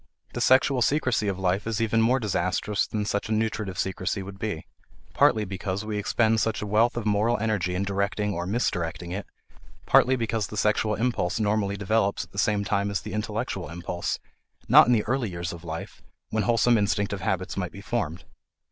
The sexual secrecy of life is even more disastrous than such a nutritive secrecy would be; partly because we expend such a wealth of moral energy in directing or misdirecting it, partly because the sexual impulse normally develops at the same time as the intellectual impulse, not in the early years of life, when wholesome instinctive habits might be formed.